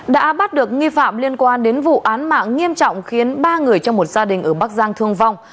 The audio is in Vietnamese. đã bắt được nghi phạm liên quan đến vụ án mạng nghiêm trọng khiến ba người trong một gia đình ở bắc giang thương vong